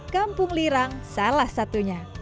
kampung lirang salah satunya